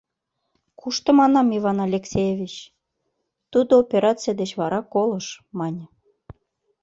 «Кушто, манам, Иван Алексеевич?» — «Тудо операций деч вара колыш», — мане.